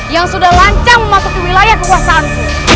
yang sudah lancar memasuki wilayah kekuasaan